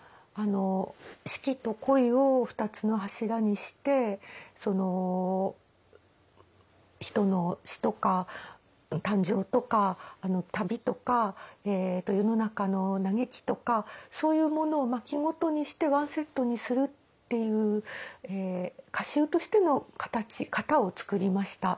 四季と恋を２つの柱にしてその人の詩とか感情とか旅とか世の中の嘆きとかそういうものを巻ごとにしてワンセットにするっていう歌集としての型を創りました。